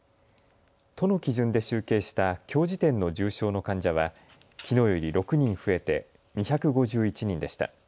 都の基準で集計したきょう時点の重症の患者はきのうより６人増えて２５１人でした。